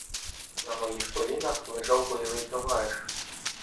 На моїх колінах лежав бойовий товариш.